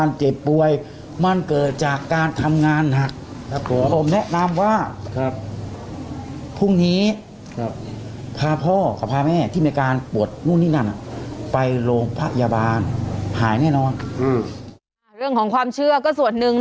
เรื่องของความเชื่อก็ส่วนหนึ่ง